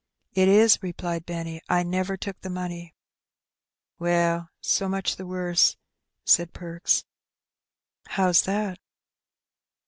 "It is," replied Benny; "I never took the money." "Well, so much the worse,'" said Perks. "How's that?"